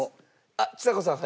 あっちさ子さん